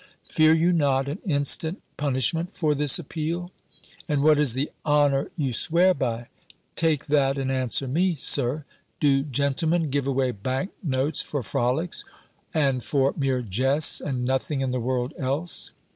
fear you not an instant punishment for this appeal? And what is the honour you swear by? Take that, and answer me, Sir: do gentlemen give away bank notes for frolics, and for mere jests, and nothing in the world else!